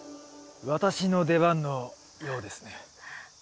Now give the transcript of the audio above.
私の出番のようですね。